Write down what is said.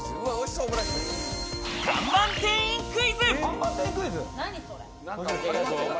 看板店員クイズ！